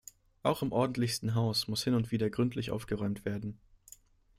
Auch im ordentlichsten Haus muss hin und wieder gründlich aufgeräumt werden.